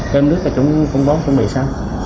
trên nước là chúng cũng bón chuẩn bị xong